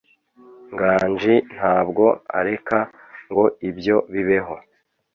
nganji ntabwo areka ngo ibyo bibeho